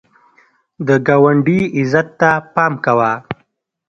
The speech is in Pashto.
د ګاونډي عزت ته پام کوه